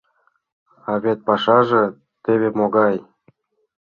— А вет пашаже теве могай.